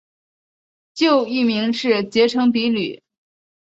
旧艺名是结城比吕。